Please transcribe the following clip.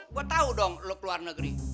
gua tau dong lo keluar negeri